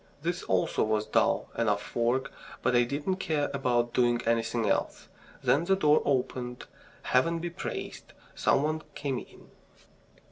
This also was dull enough work, but I didn't care about doing anything else. Then the door opened. Heaven be praised! Some one came in.